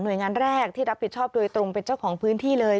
โดยงานแรกที่รับผิดชอบโดยตรงเป็นเจ้าของพื้นที่เลย